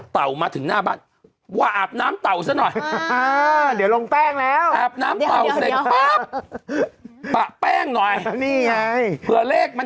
เช้าปังก็กลับเหลือเอา